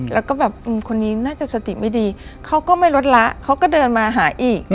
แล้วก็แบบคนนี้น่าจะสติไม่ดีเขาก็ไม่ลดละเขาก็เดินมาหาอีก